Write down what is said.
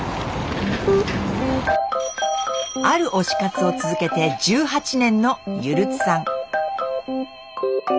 ある推し活を続けて１８年のゆるつさん。